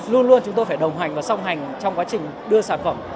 luôn luôn chúng tôi phải đồng hành và song hành trong quá trình đưa sản phẩm